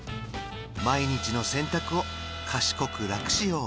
毎日の洗濯を賢く楽しよう